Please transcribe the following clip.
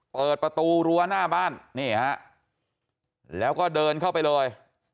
เปิดประตูรั้วหน้าบ้านนี่ฮะแล้วก็เดินเข้าไปเลย